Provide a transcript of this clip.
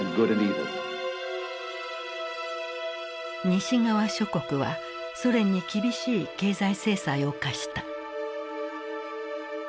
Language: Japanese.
西側諸国はソ連に厳しい経済制裁を科した。